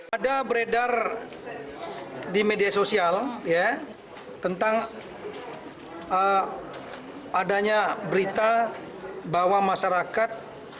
ada beredar di media sosial tentang adanya berita bahwa masyarakat